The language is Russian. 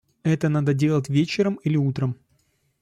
Это надо делать вечером или утром!